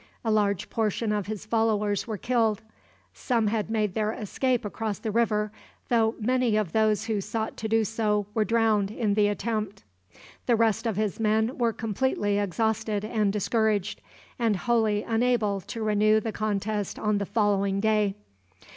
A large portion of his followers were killed. Some had made their escape across the river, though many of those who sought to do so were drowned in the attempt. The rest of his men were completely exhausted and discouraged, and wholly unable to renew the contest on the following day.